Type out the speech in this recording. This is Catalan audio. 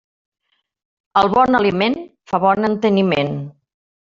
El bon aliment fa bon enteniment.